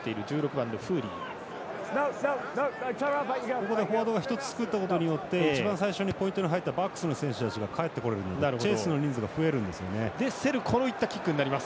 ここでフォワードが１つ作ったことによって一番最初にポイントが入ったバックスの選手たちが帰ってこれるとチェースの人数が増えるんですよね。